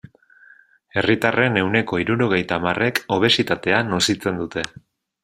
Herritarren ehuneko hirurogeita hamarrek obesitatea nozitzen dute.